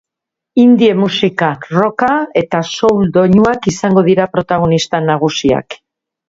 Indie musika, rocka eta soul doinuak izango dira protagonista nagusiak.